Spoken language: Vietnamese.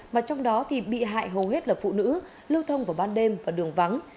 mà trong đó thì bị hại hầu hết là phụ nữ lưu thông vào ban đêm và đường vắng